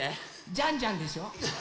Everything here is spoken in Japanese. ジャンジャンでしょ。